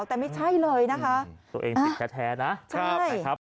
แต่ไม่ใช่เลยนะคะตัวเองติดแท้นะใช่ครับ